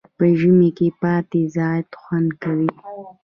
په ژمي پاتی زیات خوند کوي.